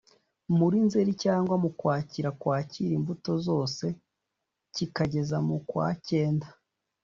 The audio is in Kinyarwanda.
muri nzeri cyangwa mu kwakira kwakira imbuto zose kikageza mukwakenda